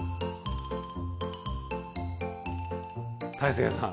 大聖さん